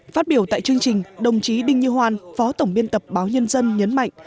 phát biểu tại chương trình đồng chí đinh như hoan phó tổng biên tập báo nhân dân nhấn mạnh